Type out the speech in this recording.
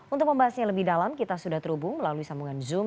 untuk membahasnya lebih dalam kita sudah terhubung melalui sambungan zoom